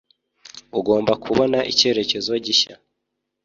Ugomba kubona icyerekezo gishya.